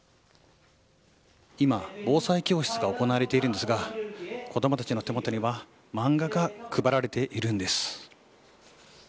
今、防災教室が行われているんですが子供たちの手元には漫画が配られているんです。